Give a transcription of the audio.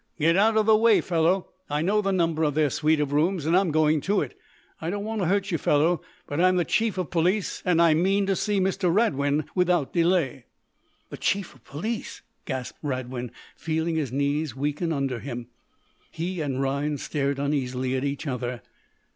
"Get out of the way, fellow! I know the number of their suite of rooms, and I'm going to it. I don't want to hurt you, fellow, but I'm the Chief of Police, and I mean to see Mr. Radwin without delay!" "The Chief of Police!" gasped Radwin, feeling his knees weaken under him. He and Rhinds stared uneasily at each other.